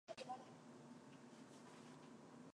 We are asked to find the two numbers written by Vasily.